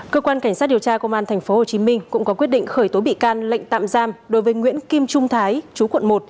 cơ quan cảnh sát điều tra công an tp hcm cũng có quyết định khởi tố bị can lệnh tạm giam đối với nguyễn kim trung thái chú quận một